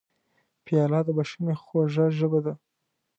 پیاله د بښنې خوږه ژبه ده.